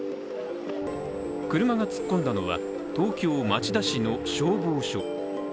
車が突っ込んだのは、東京・町田市の消防署。